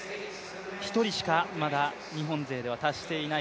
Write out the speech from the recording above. １人しかまだ日本勢では達していない。